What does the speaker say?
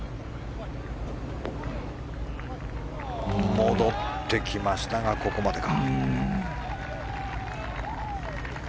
戻ってきましたが、ここまでか。